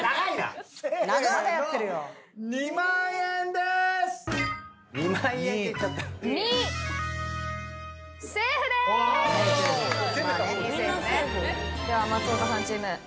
では松岡さんチーム。